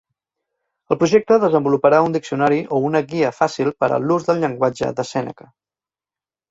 El projecte desenvoluparà un diccionari o una guia fàcil per a l'ús del llenguatge de Sèneca.